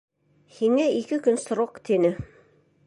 Һиңә ике көн срок, — тине.